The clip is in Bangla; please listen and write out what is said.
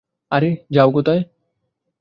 আরে, যাও কোথায়!